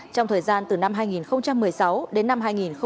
trong thời gian từ năm hai nghìn một mươi sáu đến năm hai nghìn một mươi bảy